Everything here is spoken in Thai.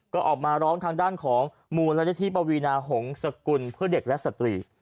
ก็ออกมาร้องทางด้านของมูลนิธิปวีนาหงษกุลเพื่อเด็กและสตรี